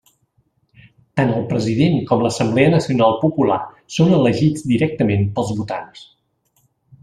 Tant el President com l'Assemblea Nacional Popular són elegits directament pels votants.